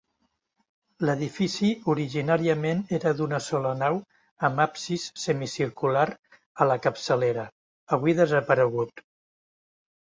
L'edifici originàriament era d'una sola nau amb absis semicircular a la capçalera, avui desaparegut.